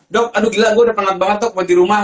dok aduh gila gue udah penat banget tuh mau di rumah